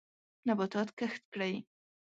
نباتات کښت کړئ.